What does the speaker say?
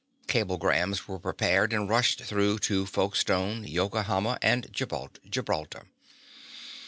Cablegrams were prepared and rushed through to Folkestone, Yokohama, and Gibraltar.